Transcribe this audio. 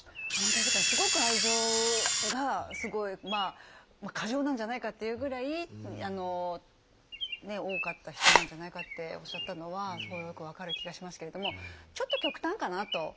確かにすごく愛情がすごい過剰なんじゃないかっていうぐらい多かった人なんじゃないかっておっしゃったのはすごいよく分かる気がしますけれどもちょっと極端かなと。